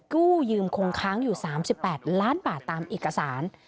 กู้ยืมคงค้างอยู่๓๘ล้านบาทตามเอกสาร